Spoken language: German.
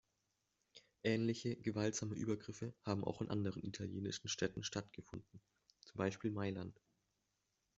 Ähnliche gewaltsame Übergriffe haben auch in anderen italienischen Städten stattgefunden, zum Beispiel Mailand.